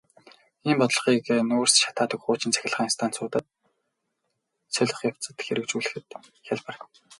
Ийм бодлогыг нүүрс шатаадаг хуучин цахилгаан станцуудыг солих явцад хэрэгжүүлэхэд хялбар.